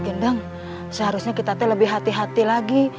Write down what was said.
gendeng seharusnya kita teh lebih hati hati lagi